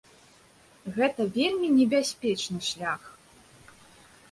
Гэта вельмі небяспечны шлях.